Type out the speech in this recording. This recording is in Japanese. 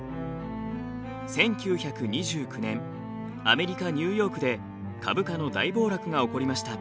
１９２９年アメリカ・ニューヨークで株価の大暴落が起こりました。